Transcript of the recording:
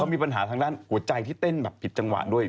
มีปัญหาทางด้านหัวใจที่เต้นแบบผิดจังหวะด้วย